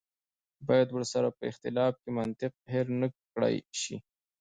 باید ورسره په اختلاف کې منطق هېر نه کړای شي.